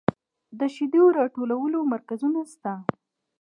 د شیدو راټولولو مرکزونه شته